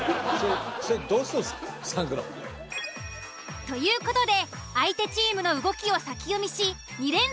それどうするんですか３ｇ。という事で相手チームの動きを先読みし２連続で精肉店へ。